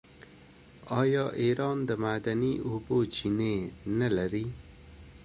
آیا ایران د معدني اوبو چینې نلري؟